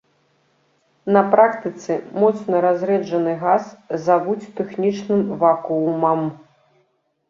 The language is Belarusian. На практыцы моцна разрэджаны газ завуць тэхнічным вакуумам.